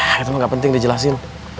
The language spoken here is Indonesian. ah itu mah nggak penting dijelasin